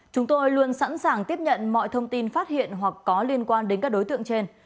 chúng tôi luôn sẵn sàng tiếp nhận mọi thông tin phát hiện hoặc có liên quan đến các đối tượng trên